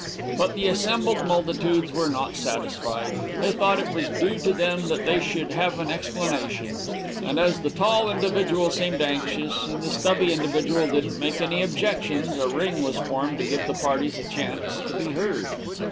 But the assembled multitudes were not satisfied. They thought it was due to them that they should have an explanation, and as the tall individual seemed anxious, and the stubby individual didn't make any objections, a ring was formed to give the parties a chance to be heard.